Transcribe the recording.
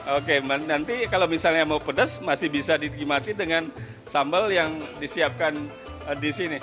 oke nanti kalau misalnya mau pedas masih bisa digimati dengan sambal yang disiapkan disini